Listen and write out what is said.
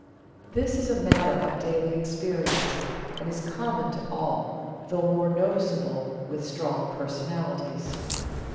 This is a matter of daily experience, and is common to all, though more noticeable with strong personalities."